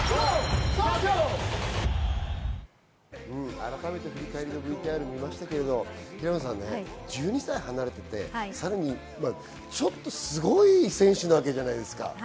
改めて振り返りのＶＴＲ見ましたが、平野さん１２歳離れていて、すごい選手なわけじゃないですか。